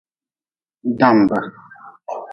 Dambe.